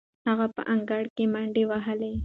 هغه په انګړ کې منډې وهلې.